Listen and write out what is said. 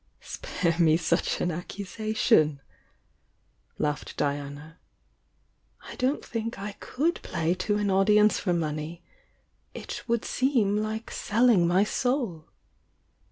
"Spare me such an accusation!" laughed Diana. "I don't think I could play to an audience for money, — it would seem like selling my soul."